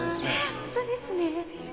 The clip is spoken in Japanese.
本当ですか？